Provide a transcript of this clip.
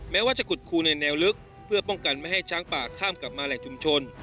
แม้ว่าจะขุดคูในแนวลึกเพื่อป้องกันไม่ให้ช้างป่าข้ามกลับมาแหล่งชุมชน